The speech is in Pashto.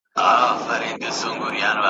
سمدستي سوله مېړه ته لاس ترغاړه `